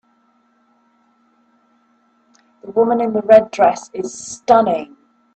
The woman in the red dress is stunning.